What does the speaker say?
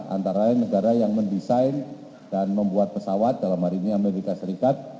antara lain negara yang mendesain dan membuat pesawat dalam hari ini amerika serikat